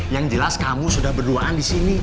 yang jelas kamu sudah berduaan disini